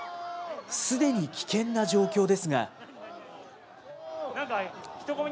すでに危険な状況ですが。